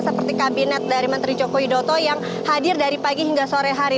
seperti kabinet dari menteri joko widodo yang hadir dari pagi hingga sore hari